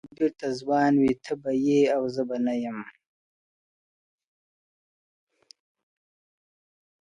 زوړ مطرب به بیرته ځوان وي ته به یې او زه به نه یم ,